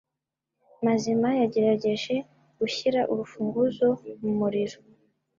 Mazima yagerageje gushyira urufunguzo mumuriro.